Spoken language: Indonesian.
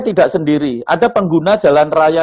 tidak sendiri ada pengguna jalan raya